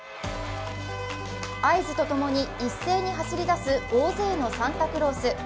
合図とともに一斉に走り出す大勢のサンタクロース。